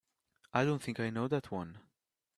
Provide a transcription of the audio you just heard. I don't think I know that one.